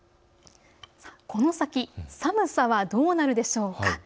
この先、寒さはどうなるでしょうか。